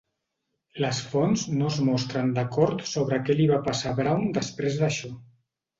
Les fonts no es mostren d'acord sobre què li va passar a Brown després d'això.